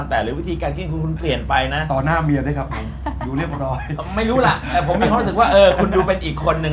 แต่ผมยังคงรู้สึกว่าคุณคุณกูเป็นอีกคนหนึ่ง